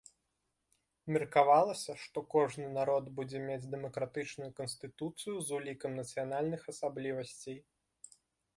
Меркавалася, што кожны народ будзе мець дэмакратычную канстытуцыю з улікам нацыянальных асаблівасцей.